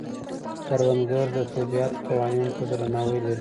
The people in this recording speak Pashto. کروندګر د طبیعت قوانینو ته درناوی لري